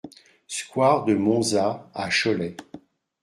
Square de Monza à Cholet